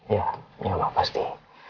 ya ya pasti